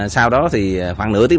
sau đó thì khoảng nửa tiếng